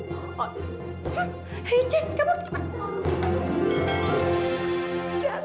hah hey cis kamu harus cepat